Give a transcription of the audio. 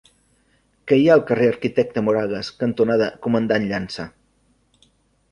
Què hi ha al carrer Arquitecte Moragas cantonada Comandant Llança?